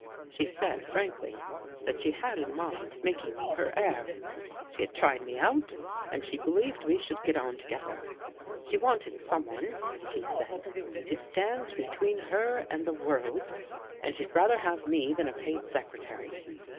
She said . frankly that she had in mind making me her heir; she had tried me out and she believed we should J get on together. She wanted someone, she said, : to stand between her and the world and she'd rather | have me than a paid secretary.